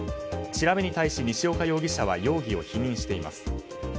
調べに対し西岡容疑者は容疑を否認しています。